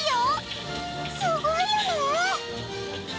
すごいよね！